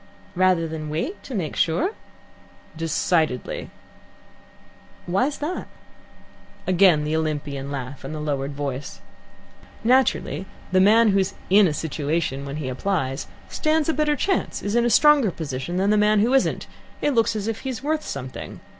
"Rather than wait, to make sure?" "Decidedly." "Why's that?" Again the Olympian laugh, and the lowered voice. "Naturally the man who's in a situation when he applies stands a better chance, is in a stronger position, than the man who isn't. It looks as if he's worth something.